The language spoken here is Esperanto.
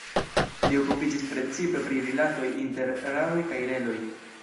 Li okupiĝis precipe pri rilatoj inter radoj kaj reloj.